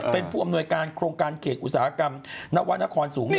เป็นผู้อำนวยการโครงการเขตอุตสาหกรรมนวรรณครสูง